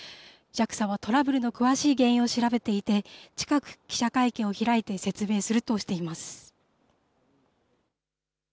ＪＡＸＡはトラブルの詳しい原因を調べていて近く記者会見を開いて説明するとしています。